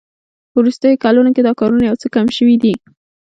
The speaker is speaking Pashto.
په وروستیو کلونو کې دا کارونه یو څه کم شوي دي